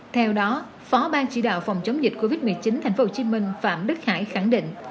theo đó phó ban chỉ đạo phòng chống dịch covid một mươi chín tp hcm phạm đức khải khẳng định